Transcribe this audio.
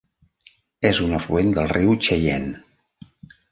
És un afluent del riu Cheyenne.